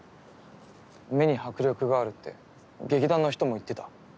目に迫力があるって劇団の人も言ってた。